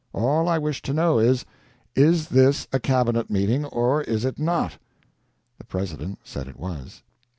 All I wish to know is, is this a Cabinet meeting or is it not?" The President said it was.